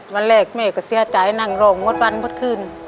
วันเล็กไม่ก็เสียใจนางโรงหมดวันหมดขึ้น